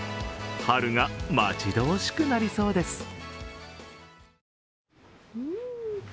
春が待ち遠しくなりそうです。